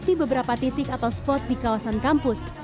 di beberapa titik atau spot di kawasan kampus